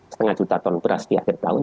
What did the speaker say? setengah juta ton beras di akhir tahun